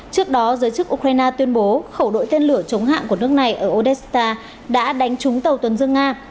trước đó giới chức ukraine tuyên bố khẩu đội tên lửa chống hạm của nước này ở odesta đã đánh trúng tàu tuần dương nga